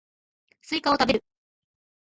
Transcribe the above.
スイカを食べる